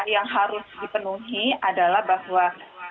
yang harus dipenuhi adalah bahwa